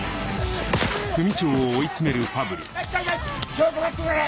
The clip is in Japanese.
ちょっと待ってくれ！